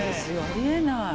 ありえない。